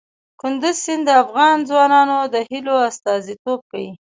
کندز سیند د افغان ځوانانو د هیلو استازیتوب کوي.